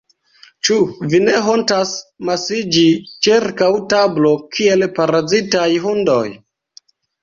Ĉu vi ne hontas amasiĝi ĉirkaŭ tablo, kiel parazitaj hundoj?